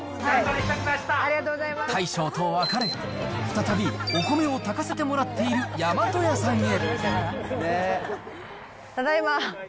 大将と別れ、再びお米を炊かせてもらっている大和屋さんへ。